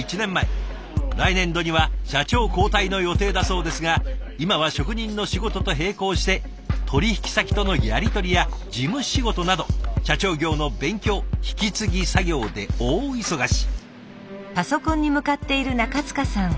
来年度には社長交代の予定だそうですが今は職人の仕事と並行して取引先とのやり取りや事務仕事など社長業の勉強引き継ぎ作業で大忙し。